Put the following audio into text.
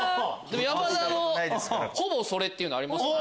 山田のほぼそれっていうのありますね。